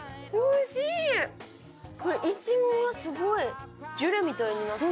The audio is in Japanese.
これイチゴがすごいジュレみたいになってる。